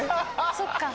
そっか。